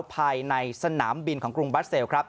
ภายในสนามบินของกรุงบราเซล